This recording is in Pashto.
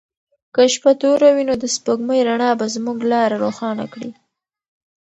که شپه توره وي نو د سپوږمۍ رڼا به زموږ لاره روښانه کړي.